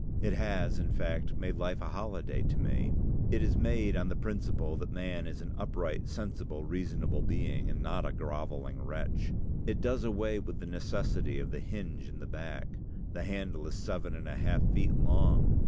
It has, in fact, made life a holiday to me. It is made on the principle that man is an upright, sensible, reasonable being, and not a groveling wretch. It does away with the necessity of the hinge in the back. The handle is seven and a half feet long.